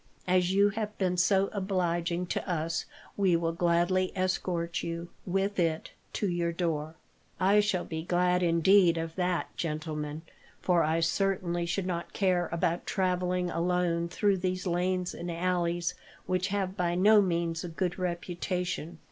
As you have been so obliging to us, we will gladly escort you, with it, to your door." "I shall be glad, indeed, of that, gentlemen, for I certainly should not care about travelling alone through these lanes and alleys, which have by no means a good reputation."